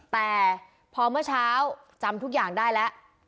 แต่พอเมื่อเช้าจำทุกอย่างได้แล้ว